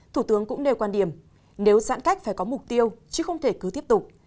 thủ tướng cũng nêu quan điểm nếu giãn cách phải có mục tiêu chứ không thể cứ tiếp tục